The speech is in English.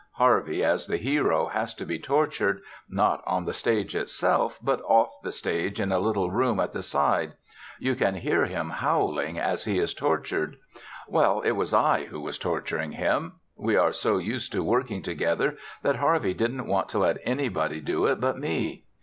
Harvey, as the hero, has to be tortured, not on the stage itself, but off the stage in a little room at the side. You can hear him howling as he is tortured. Well, it was I who was torturing him. We are so used to working together that Harvey didn't want to let anybody do it but me.